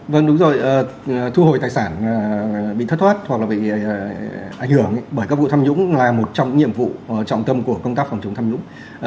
vâng đúng rồi thu hồi tài sản bị thất thoát hoặc là bị ảnh hưởng bởi các vụ tham nhũng là một trong những nhiệm vụ trọng tâm của công tác phòng chống tham nhũng